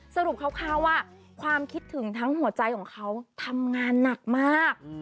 สรุปคร่าวว่าความคิดถึงทั้งหัวใจของเขาทำงานหนักมาก